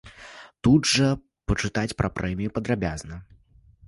Тут жа пачытаць пра прэмію падрабязна.